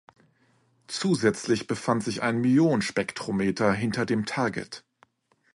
Zusätzlich befand sich ein Myon-Spektrometer hinter dem Target.